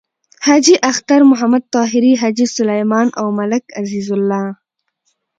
حاجی اختر محمد طاهري، حاجی سلیمان او ملک عزیز الله…